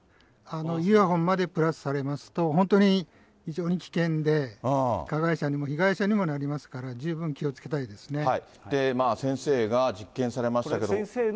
イヤホンまでプラスされますと、本当に、非常に危険で、加害者にも被害者にもなりますから、先生が、実験されましたけれども。